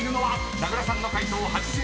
［名倉さんの解答８６％］